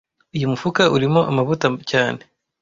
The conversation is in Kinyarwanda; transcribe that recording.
Uyu mufuka urimo amavuta cyane